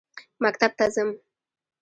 مکتب ته ځم.